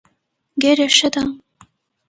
ګېډه ښه ده.